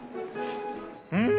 うん！